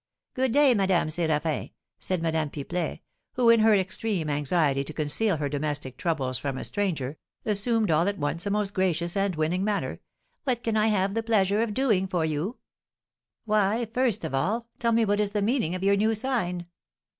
"Good day, Madame Séraphin," said Madame Pipelet, who, in her extreme anxiety to conceal her domestic troubles from a stranger, assumed all at once a most gracious and winning manner; "what can I have the pleasure of doing for you?" "Why, first of all, tell me what is the meaning of your new sign?"